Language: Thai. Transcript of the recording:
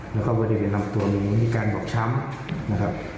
แล้วก็บริเวณน้ำตัวมีการบอกช้ำค่ะ